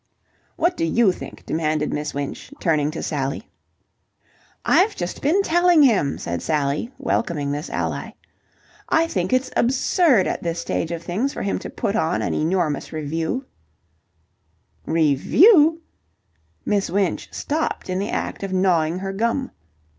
"What do you think?" demanded Miss Winch, turning to Sally. "I've just been telling him," said Sally, welcoming this ally, "I think it's absurd at this stage of things for him to put on an enormous revue..." "Revue?" Miss Winch stopped in the act of gnawing her gum.